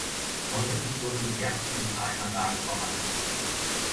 Außerdem wurden die Gärten und Parkanlagen formalisiert.